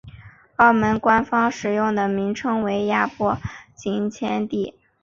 澳门官方使用的名称为亚婆井前地。